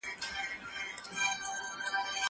که وخت وي، مکتب ځم!!